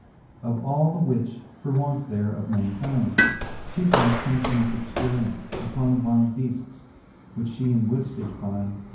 Of all the which, for want there of mankind. She caufed him to make experience Upon wyld beafts, which fhe in woods did find.